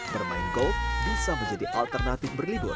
bermain gold bisa menjadi alternatif berlibur